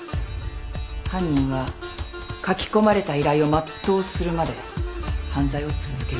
犯人は書き込まれた依頼を全うするまで犯罪を続けるはず。